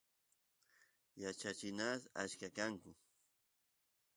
yachachinas achka kanku